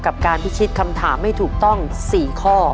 การพิชิตคำถามให้ถูกต้อง๔ข้อ